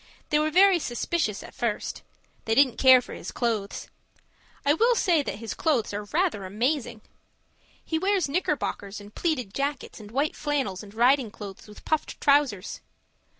They were very suspicious at first. They didn't care for his clothes! And I will say that his clothes are rather amazing. He wears knickerbockers and pleated jackets and white flannels and riding clothes with puffed trousers.